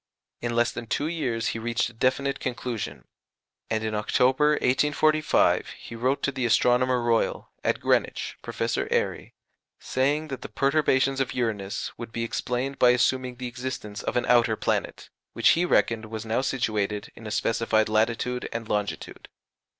In less than two years he reached a definite conclusion; and in October, 1845, he wrote to the Astronomer Royal, at Greenwich, Professor Airy, saying that the perturbations of Uranus would be explained by assuming the existence of an outer planet, which he reckoned was now situated in a specified latitude and longitude.